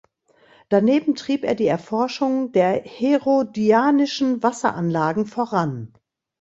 Daneben trieb er die Erforschung der herodianischen Wasseranlagen voran.